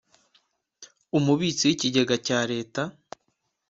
Umubitsi w Ikigega cya Leta